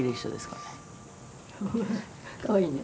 ほらかわいいね。